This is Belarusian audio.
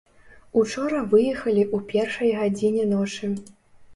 Учора выехалі ў першай гадзіне ночы.